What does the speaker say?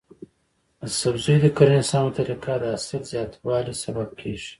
د سبزیو د کرنې سمه طریقه د حاصل زیاتوالي سبب کیږي.